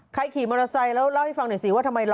ใครขี่มอเทศไงเล่าให้ฟังหนสีว่าทำไม